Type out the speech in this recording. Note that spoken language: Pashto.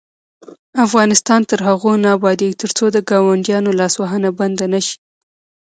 افغانستان تر هغو نه ابادیږي، ترڅو د ګاونډیانو لاسوهنه بنده نشي.